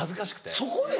そこで？